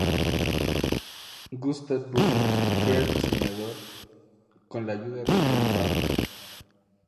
Gustav Brunner fue el diseñador, con la ayuda de John Barnard.